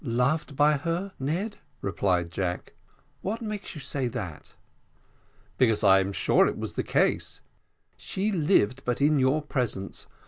"Loved by her, Ned!" replied Jack; "what makes you say that?" "Because I am sure it was the case; she lived but in your presence.